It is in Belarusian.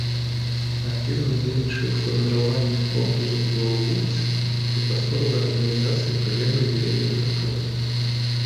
Актыўна ўдзельнічае ў фарміраванні фронту забудовы вуліцы і прасторавай арганізацыі прылеглай да яе тэрыторыі.